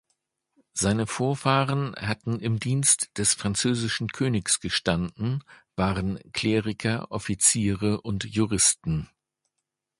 Seine Vorfahren hatten im Dienst des französischen Königs gestanden, waren Kleriker, Offiziere und Juristen.